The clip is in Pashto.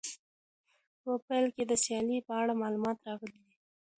په پیل کې د سیالۍ په اړه معلومات راغلي دي.